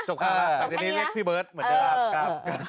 จบข่าวแล้วหน่าจบแค่นี้ละจบแค่นี้แล้ว